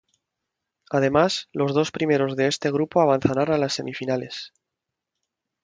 Además, los dos primeros de este grupo avanzarán a las semifinales.